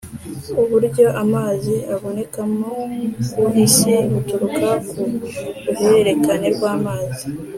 uburyo amazi abonekamo ku isi buturuka ku ruhererekane rw’amazi.